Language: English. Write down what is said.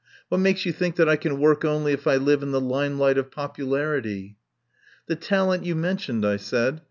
What makes you think that I can work only if I live in the limelight of popu larity?" "The talent you mentioned," I said.